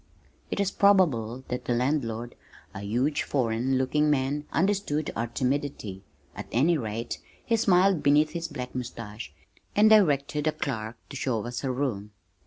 It is probable that the landlord, a huge foreign looking man understood our timidity at any rate, he smiled beneath his black mustache and directed a clerk to show us a room.